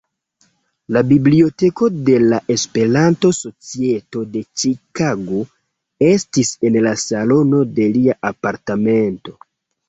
La Biblioteko de la Esperanto-Societo de Ĉikago estis en la salono de lia apartamento.